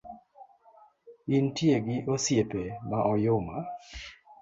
Intie gi osiepe ma oyuma